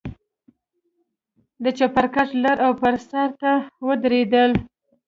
د چپرکټ لر او بر سر ته ودرېدل.